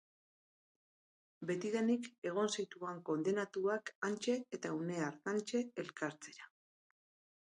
Betidanik egon zituan kondenatuak hantxe eta une hartantxe elkartzera!